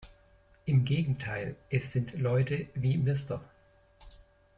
Im Gegenteil, es sind Leute wie Mr.